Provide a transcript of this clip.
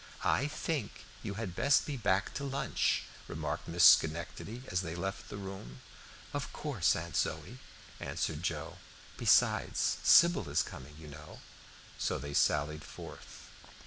"I think you had best be back to lunch," remarked Miss Schenectady as they left the room. "Of course, Aunt Zoë," answered Joe. "Besides, Sybil is coming, you know." So they sallied forth.